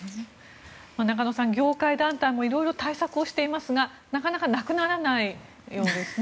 中野さん、業界団体も色々対策をしていますがなかなかなくならないようですね。